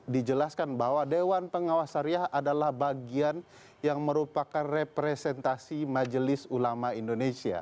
dijelaskan bahwa dewan pengawas syariah adalah bagian yang merupakan representasi majelis ulama indonesia